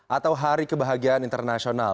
atau hari kebahagiaan internasional